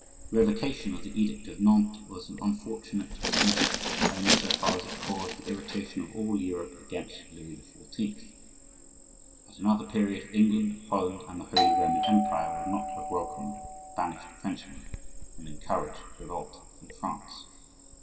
The revocation of the Edict of Nantes was an unfortunate measure only so far as it caused the irritation of all Europe against Louis XIV. At another period England, Holland, and the Holy Roman Empire would not have welcomed banished Frenchmen and encouraged revolt in France.